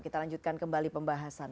kita lanjutkan kembali pembahasan